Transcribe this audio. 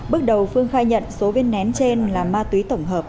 bước đầu phương khai nhận số viên nén trên là ma túy tổng hợp